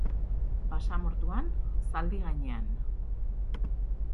Basamortuan, zaldi gainean.